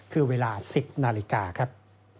คือเวลา๑๐นาฬิกาครับ